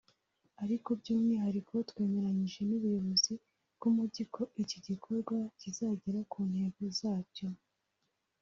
ariko by’umwihariko twemeranyije n’ubuyobozi bw’umujyi ko iki gikorwa kizagera ku ntego zacyo